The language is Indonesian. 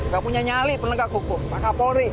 gak punya nyali penegak kuku maka pori